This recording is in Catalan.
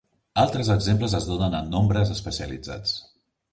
Altres exemples es donen a Nombres especialitzats.